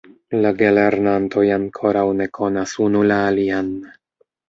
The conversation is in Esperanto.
La gelernantoj ankoraŭ ne konas unu la alian.